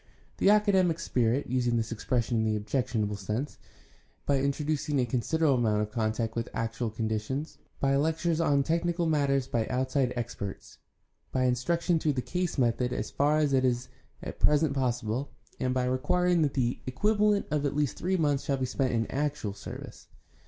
The academic spirit (using this expression in the objectionable sense) is guarded against by introducing a considerable amount of contact with actual conditions, by lectures on technical matters by outside experts, by instruction through the case method as far as is at present possible, and by requiring that the equivalent of at least three months shall be spent in actual service.